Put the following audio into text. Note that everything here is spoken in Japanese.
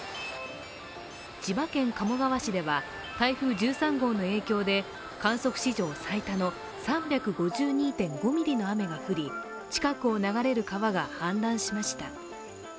千葉県鴨川市では、台風１３号の影響で観測史上最多の３５２．５ミリの雨が降り近くを流れる川が氾濫しました。